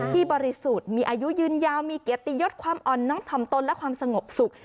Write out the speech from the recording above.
บริสุทธิ์มีอายุยืนยาวมีเกียรติยศความอ่อนน้องถ่อมตนและความสงบสุข